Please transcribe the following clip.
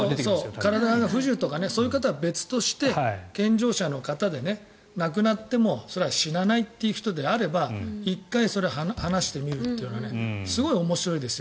体が不自由とかそういう方は別として健常者の方でなくなってもそれは死なないという人であれば１回、離してみるというのはすごく面白いですよ。